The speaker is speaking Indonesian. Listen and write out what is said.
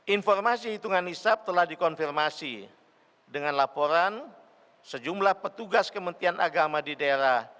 informasi hitungan hisap telah dikonfirmasi dengan laporan sejumlah petugas kementerian agama di daerah